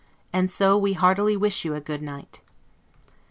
And so we heartily wish you a goodnight.